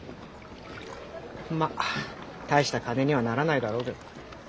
まっ大した金にはならないだろうけど。